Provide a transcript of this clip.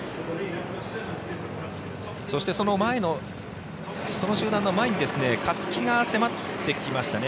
そしてその集団の前にですね勝木が迫ってきましたね。